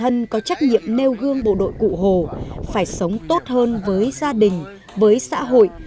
để nhắc bản thân có trách nhiệm nêu gương bộ đội cụ hồ phải sống tốt hơn với gia đình với xã hội